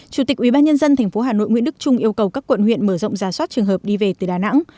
chủ tịch ubnd tp hà nội nguyễn đức trung yêu cầu các quận huyện mở rộng ra soát trường hợp đi về từ đà nẵng